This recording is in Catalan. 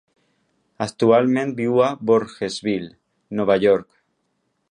Actualment viu a Voorheesville, Nova York.